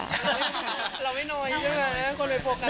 เราไม่น้อยใช่ไหมคนไปโฟกัส